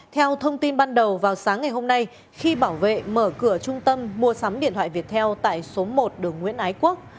theo thông tin ban đầu vào sáng ngày hôm nay khi bảo vệ mở cửa trung tâm mua sắm điện thoại viettel tại số một đường nguyễn ái quốc